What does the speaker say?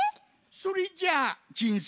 それじゃあちんす